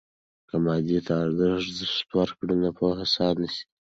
که مادیې ته ارزښت ورکوو، نو پوهه ساه نیسي.